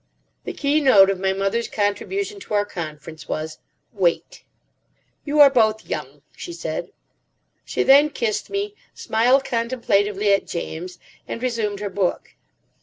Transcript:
The key note of my mother's contribution to our conference was, "Wait." "You are both young," she said. She then kissed me, smiled contemplatively at James, and resumed her book.